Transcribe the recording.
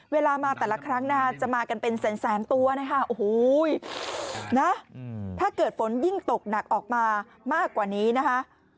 เวลามาแต่ละครั้งนะคะจะมากันเป็นแสนตัวนะคะโอ้โหนะถ้าเกิดฝนยิ่งตกหนักออกมามากกว่านี้นะคะ